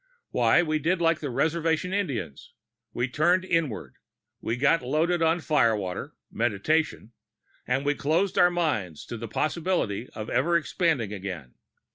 Why, we did like the reservation Indians. We turned inward. We got loaded on firewater Meditation and we closed our minds to the possibility of ever expanding again.